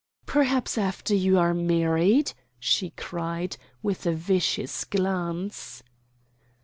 "Perhaps after you are married," she cried, with a vicious glance.